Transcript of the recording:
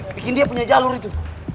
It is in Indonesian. bikin dia punya jalur itu